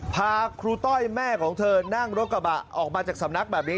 พาครูต้อยแม่ของเธอนั่งรถกระบะออกมาจากสำนักแบบนี้